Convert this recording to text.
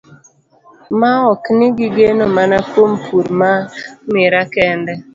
Maok ni gigeno mana kuom pur mar miraa kende.